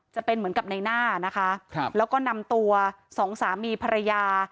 จะเป็นเหมือนกับในหน้านะคะครับแล้วก็นำตัวสองสามีภรรยา